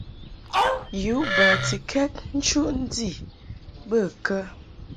Yu batikɛd nchuʼ ndi bə kə ?